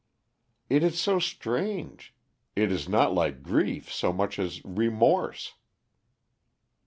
"It is so strange. It is not like grief, so much as remorse."